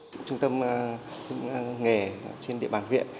trung tâm hướng nghề trên địa bàn huyện